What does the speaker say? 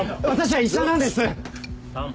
私は医者なんです！